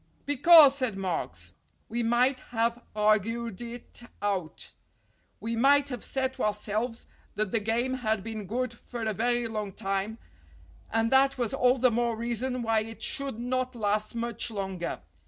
"Because," said Marks, "we might have argued it out. We might have said to ourselves that the game had been good for a very long time and that was all the more reason why it should not last much longer.